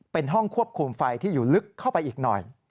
เป็นห้องควบคุมไฟที่อยู่ลึกเข้าไปอีกหน่อย